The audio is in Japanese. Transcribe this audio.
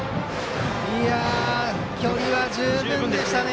距離は十分でしたね。